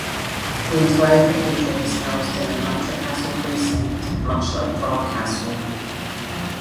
The entire cathedral is housed in the Nitra Castle precinct, much like Prague Castle.